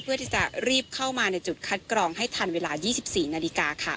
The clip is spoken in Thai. เพื่อที่จะรีบเข้ามาในจุดคัดกรองให้ทันเวลา๒๔นาฬิกาค่ะ